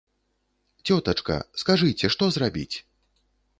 Цётачка, скажыце, што зрабіць?